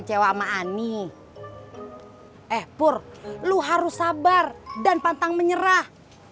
eh pur lu harus sabar dan pantang menyerah